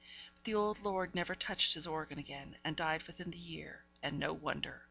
But the old lord never touched his organ again, and died within the year; and no wonder!